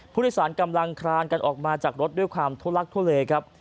ผู้โดยสารกำลังคลานกันออกมาจากรถด้วยความทุลักทุเลครับ